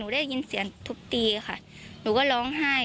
ได้ยินเสียงทุบตีค่ะหนูก็ร้องไห้